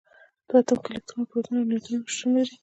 په اتوم کې الکترون او پروټون او نیوټرون شتون لري.